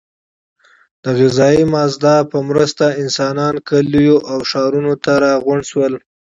د غذایي مازاد په مرسته انسانان کلیو او ښارونو ته راغونډ شول.